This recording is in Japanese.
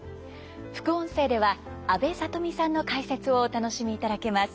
副音声では阿部さとみさんの解説をお楽しみいただけます。